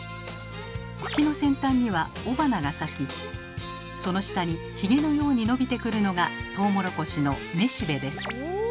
茎の先端には雄花が咲きその下にヒゲのように伸びてくるのがトウモロコシのめしべです。